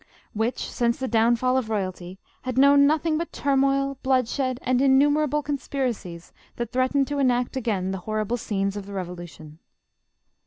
which, since the downfall of royalty, had known noth ing but turmoil, bloodshed and innumerable conspira cies that threatened to enact again the horrible scenes of the Revolution.